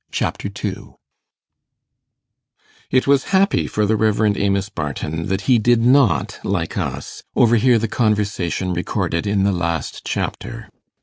Chapter 2 It was happy for the Rev. Amos Barton that he did not, like us, overhear the conversation recorded in the last chapter.